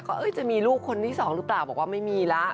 ก็จะมีลูกคนที่สองหรือเปล่าบอกว่าไม่มีแล้ว